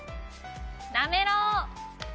なめろう。